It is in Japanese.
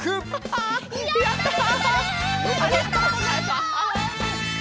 ありがとうございます！